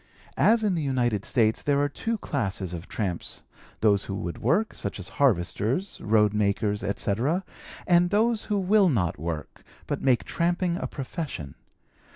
"As in the United States, there are two classes of tramps those who would work, such as harvesters, road makers, etc., and those who will not work, but make tramping a profession.